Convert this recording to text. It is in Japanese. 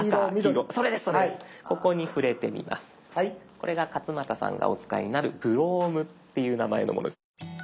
これが勝俣さんがお使いになる「Ｃｈｒｏｍｅ」っていう名前のものです。